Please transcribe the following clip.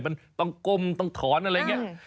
มันต้องก้มต้องถอนอะไรอย่างนี้